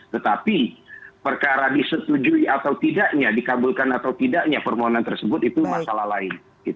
tetapi perkara disetujui atau tidaknya dikabulkan atau tidaknya permohonan tersebut itu masalah lain